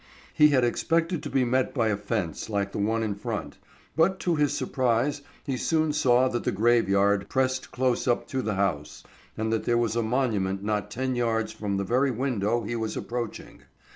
He had expected to be met by a fence like the one in front, but to his surprise he soon saw that the graveyard pressed close up to the house, and that there was a monument not ten yards from the very window he was approaching.